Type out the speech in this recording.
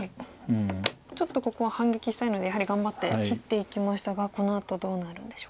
ちょっとここは反撃したいのでやはり頑張って切っていきましたがこのあとどうなるんでしょうか。